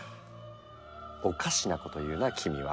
オカシなこと言うな君は！